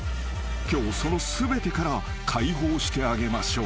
［今日その全てから解放してあげましょう］